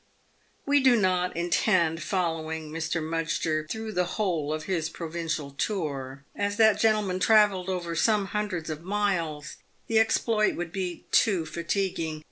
We do not intend following Mr. Mudgster through the whole of 238 PAVED WITH GOLD. bis provincial tour. As that gentleman travelled over some hundreds of miles, the exploit would be too fatiguing.